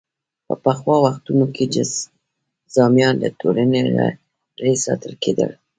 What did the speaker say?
په پخوا وختونو کې جذامیان له ټولنې لرې ساتل کېدل.